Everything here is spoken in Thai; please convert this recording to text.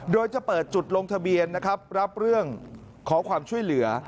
โดยจะเปิดจุดลงทะเบียนนะครับรับเรื่องขอความช่วยเหลือ